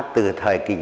từ thời kỳ văn hóa